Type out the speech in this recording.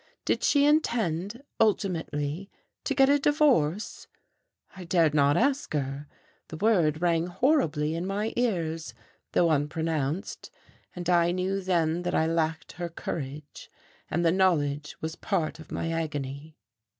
Did she intend, ultimately, to get a divorce? I dared not ask her. The word rang horribly in my ears, though unpronounced; and I knew then that I lacked her courage, and the knowledge was part of my agony.